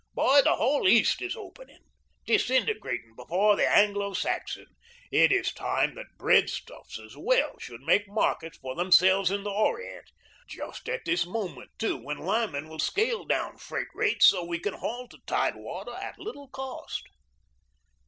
Boy, the whole East is opening, disintegrating before the Anglo Saxon. It is time that bread stuffs, as well, should make markets for themselves in the Orient. Just at this moment, too, when Lyman will scale down freight rates so we can haul to tidewater at little cost."